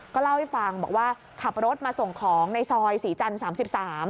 ก็เล่าให้ฟังบอกว่าขับรถมาส่งของในซอยศรีจันทร์สามสิบสาม